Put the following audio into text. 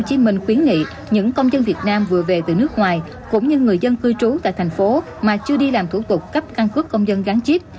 nên mình khuyến nghị những công dân việt nam vừa về từ nước ngoài cũng như người dân cư trú tại thành phố mà chưa đi làm thủ tục cấp căn cứ công dân gắn chiếc